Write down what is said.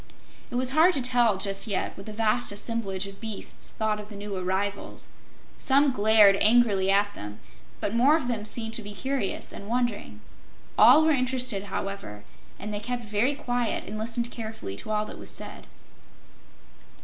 It was hard to tell, just yet, what the vast assemblage of beasts thought of the new arrivals. Some glared angrily at them, but more of them seemed to be curious and wondering. All were interested, however, and they kept very quiet and listened carefully to all that was said.